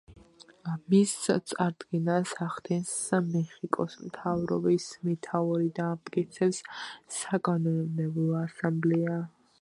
მის წარდგენას ახდენს მეხიკოს მთავრობის მეთაური და ამტკიცებს საკანონმდებლო ასამბლეა.